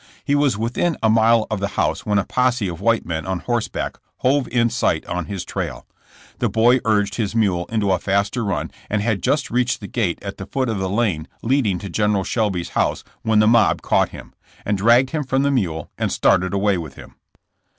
He was within a mile of the house when a posse of white men on horseback hove in sight on his trail. The boy urged his mule into a faster run, and had just reached the gate at the foot of the lane leading 7S JESSE JAMES. to General Shelby's house when the mob caught him, and dragged him from the mule and started away with him.